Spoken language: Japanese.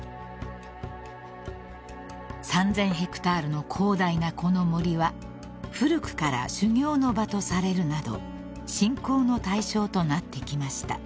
［３，０００ｈａの広大なこの森は古くから修行の場とされるなど信仰の対象となってきました］